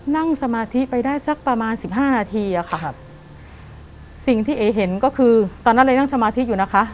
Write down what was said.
นั่งสมาธิไปได้สักประมาณสิบห้านาทีอะค่ะครับสิ่งที่เอ๋เห็นก็คือตอนนั้นเลยนั่งสมาธิอยู่นะคะ